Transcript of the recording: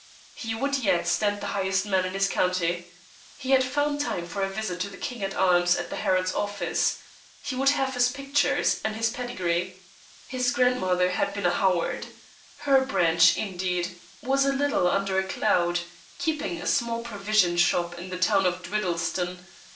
He would yet stand the highest man in his county. He had found time for a visit to the King at Arms and the Heralds' Office. He would have his pictures and his pedigree. His grandmother had been a Howard. Her branch, indeed, was a little under a cloud, keeping a small provision shop in the town of Dwiddleston.